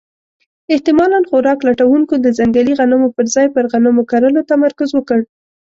احتمالاً خوراک لټونکو د ځنګلي غنمو پر ځای پر غنمو کرلو تمرکز وکړ.